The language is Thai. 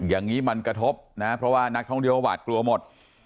อย่างนี้มันกระทบนะเพราะว่านักท่องเที่ยวหวาดกลัวหมด